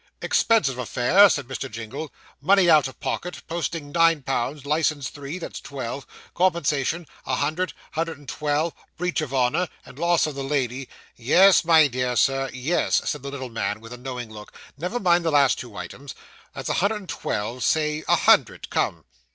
'Expensive affair,' said Mr. Jingle. 'Money out of pocket posting, nine pounds; licence, three that's twelve compensation, a hundred hundred and twelve breach of honour and loss of the lady ' 'Yes, my dear Sir, yes,' said the little man, with a knowing look, 'never mind the last two items. That's a hundred and twelve say a hundred come.